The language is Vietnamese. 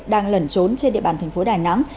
đang lẩn trốn trên địa bàn thành phố đà nẵng